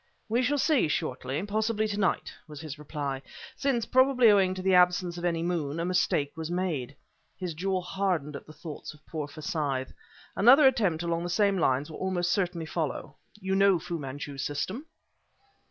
"We shall see, shortly; possibly to night," was his reply. "Since, probably owing to the absence of any moon, a mistake was made," his jaw hardened at the thoughts of poor Forsyth "another attempt along the same lines will almost certainly follow you know Fu Manchu's system?"